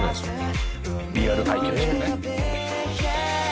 「リアル体験しかね」